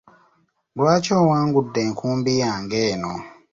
Lwaki owangudde enkumbi yange eno?